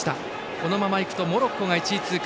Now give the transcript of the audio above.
このままいくとモロッコが１位通過